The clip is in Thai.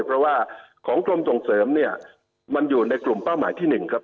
เพราะว่าของกรมส่งเสริมเนี่ยมันอยู่ในกลุ่มเป้าหมายที่๑ครับ